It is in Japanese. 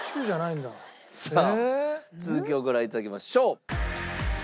さあ続きをご覧いただきましょう。